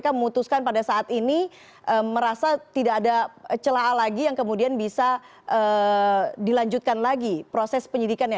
kpk memutuskan pada saat ini merasa tidak ada celah lagi yang kemudian bisa dilanjutkan lagi proses penyidikannya